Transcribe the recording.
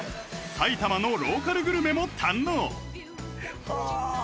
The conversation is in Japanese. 埼玉のローカルグルメも堪能うわ